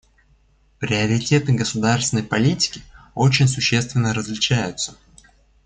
Приоритеты государственной политики очень существенно различаются.